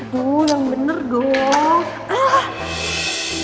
tuh yang bener dong